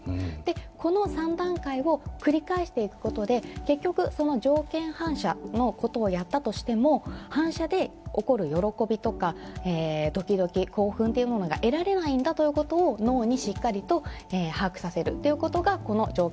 この３段階を繰り返していくことで結局、その条件反射のことをやったとしても反射で起こる喜びとか時々、興奮というものが得られないんだということを脳にしっかりと把握させるということがこの条件